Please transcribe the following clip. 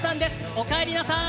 おかえりなさい！